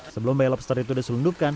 sebelum bayi lobster itu diselundupkan